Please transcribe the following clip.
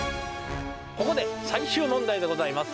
ここで最終問題でございます。